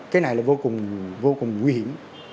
cái này là vô cùng nguy hiểm